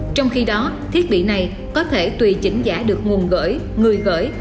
trong khi đó thiết bị này có thể tùy chỉnh giả được nguồn gửi người gửi